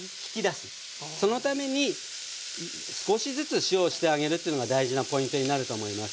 そのために少しずつ塩をしてあげるっていうのが大事なポイントになると思います。